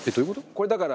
これだから。